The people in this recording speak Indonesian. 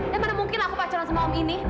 ya mana mungkin aku pacaran sama om ini